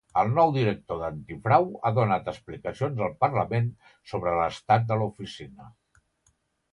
El nou director d'Antifrau ha donat explicacions al Parlament sobre l'estat de l'oficina.